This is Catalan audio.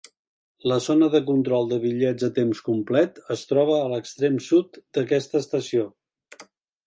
La zona de control de bitllets a temps complet es troba a l'extrem sud d'aquesta estació.